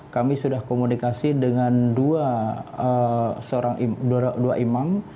kami sudah komunikasi dengan dua imam